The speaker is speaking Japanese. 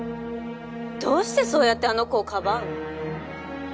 どうしてそうやってあの子をかばうの？